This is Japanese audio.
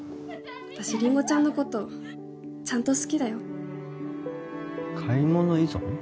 私りんごちゃんのことちゃんと好きだよ買い物依存？